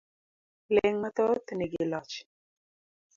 Ling' mathoth nigi loch .